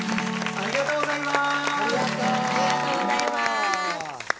ありがとうございます。